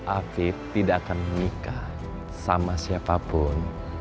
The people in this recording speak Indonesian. afid tidak akan menikah sama siapapun